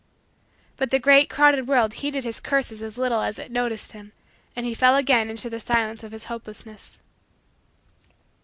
But the great, crowded, world heeded his curses as little as it noticed him and he fell again into the silence of his hopelessness.